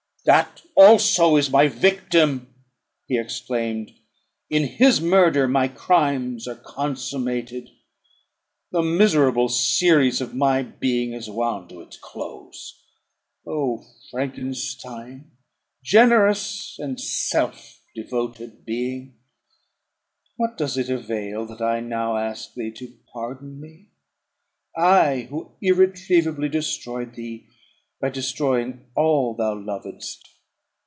"That is also my victim!" he exclaimed: "in his murder my crimes are consummated; the miserable series of my being is wound to its close! Oh, Frankenstein! generous and self devoted being! what does it avail that I now ask thee to pardon me? I, who irretrievably destroyed thee by destroying all thou lovedst.